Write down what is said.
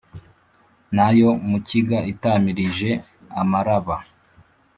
na yo mukiga itamirije amaraba,